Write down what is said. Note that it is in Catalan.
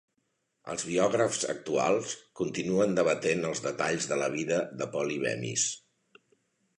Els biògrafs actuals continuen debatent els detalls de la vida de Polly Bemis.